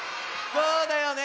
そうだよね